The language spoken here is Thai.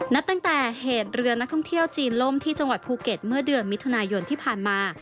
นับตั้งแต่เหตุเรือนักท่องเที่ยวจีนล่มที่จังหวัดภูเก็ตเมื่อเดือนมิถุนายนที่ผ่านมา